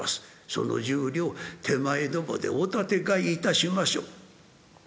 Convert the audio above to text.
その１０両手前どもでお立て替えいたしましょう。